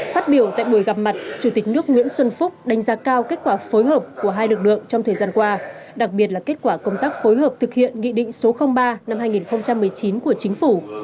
phát biểu tại buổi gặp mặt chủ tịch nước nguyễn xuân phúc đánh giá cao kết quả phối hợp của hai lực lượng trong thời gian qua đặc biệt là kết quả công tác phối hợp thực hiện nghị định số ba năm hai nghìn một mươi chín của chính phủ